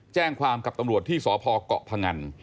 แจ้งความกับตำรวจที่สพเกาะพงัน